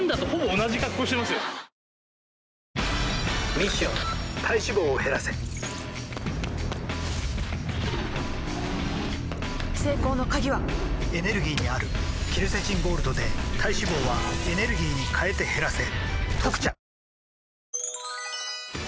ミッション体脂肪を減らせ成功の鍵はエネルギーにあるケルセチンゴールドで体脂肪はエネルギーに変えて減らせ「特茶」